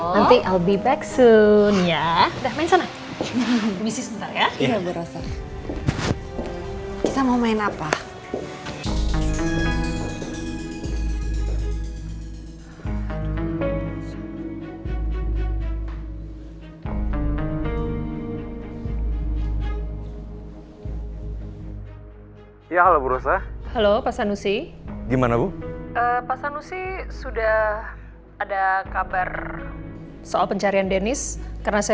nanti i'll be back soon ya